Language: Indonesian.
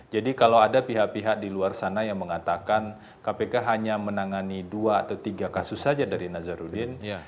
jadi kalau ada pihak pihak di luar sana yang mengatakan kpk hanya menangani dua atau tiga kasus saja dari nazaruddin